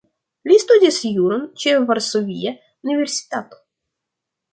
Li studis juron ĉe Varsovia Universitato.